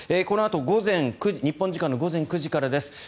このあと日本時間の午前９時からです。